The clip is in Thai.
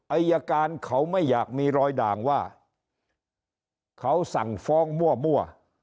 อายการเขาไม่อยากมีรอยด่างว่าเขาสั่งฟ้องมั่ว